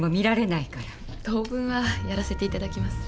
当分はやらせていただきます。